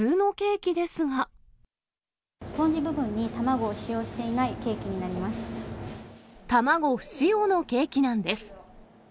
スポンジ部分に卵を使用して卵不使用のケーキなんです。